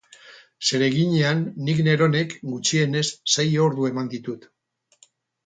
Zereginean nik neronek gutxienez sei ordu eman ditut.